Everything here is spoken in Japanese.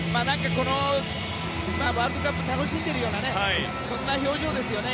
このワールドカップを楽しんでいるようなそんな表情ですね。